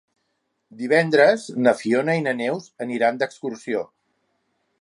Divendres na Fiona i na Neus aniran d'excursió.